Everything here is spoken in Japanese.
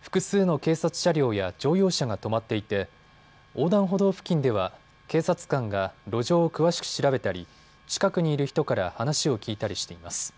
複数の警察車両や乗用車が止まっていて横断歩道付近では警察官が路上を詳しく調べたり近くにいる人から話を聞いたりしています。